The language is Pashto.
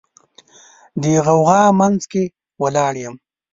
د غوغا منځ کې ولاړ یم